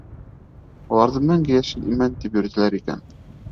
Уларҙы мәңге йәшел имән тип йөрөтәләр икән.